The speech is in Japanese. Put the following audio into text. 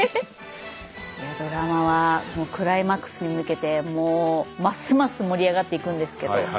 いやドラマはもうクライマックスに向けてもうますます盛り上がっていくんですけど。